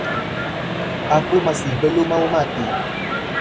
Aku masih belum mau mati.